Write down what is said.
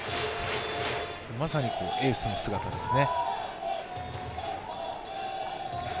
まさにエースの姿ですね。